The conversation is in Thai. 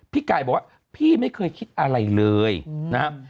พี่ไก่บอกว่าพี่ไม่เคยคิดอะไรเลยนะครับ